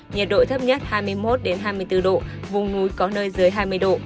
nhiệt độ thấp nhất hai mươi một hai mươi bốn độ vùng núi có nơi dưới hai mươi độ